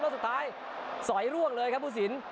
แล้วสุดท้ายสอยร่วงเลยครับผู้สิน